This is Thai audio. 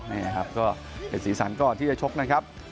นี่ครับก็เป็นศีรษรเหมือนก่อนที่จะชกนะครับ